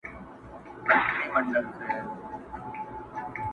ما یې خالي انګړ ته وکړل سلامونه!.